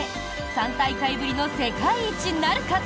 ３大会ぶりの世界一なるか？